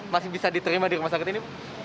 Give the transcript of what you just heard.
masih bisa diterima di rumah sakit ini